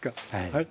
はい。